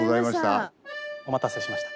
お待たせしました。